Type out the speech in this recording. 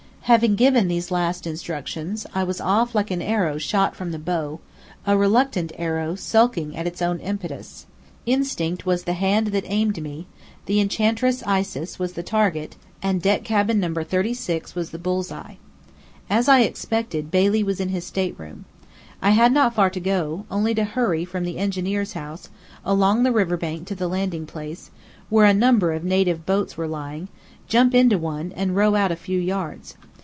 Having given these last instructions, I was off like an arrow shot from the bow, a reluctant arrow sulking at its own impetus. Instinct was the hand that aimed me; the Enchantress Isis was the target; and deck cabin No. 36 was the bull's eye. As I expected, Bailey was in his stateroom. I had not far to go; only to hurry from the engineer's house, along the riverbank to the landing place, where a number of native boats were lying; jump into one, and row out a few yards.